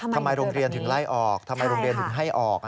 ทำไมโรงเรียนถึงไล่ออกทำไมโรงเรียนถึงให้ออก